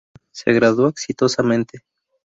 Se graduó exitosamente.